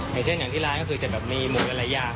อย่างเช่นอย่างที่ร้านก็คือจะแบบมีหมูหลายอย่าง